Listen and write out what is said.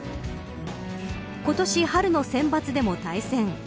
今年春のセンバツでも対戦。